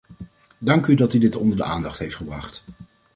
Dank u dat u dit onder de aandacht heeft gebracht.